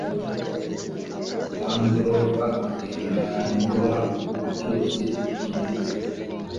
Land Rover iranyura mucyuzi cyimbitse